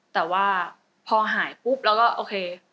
แต่ว่าพอหายปุ๊บแล้วก็โอเค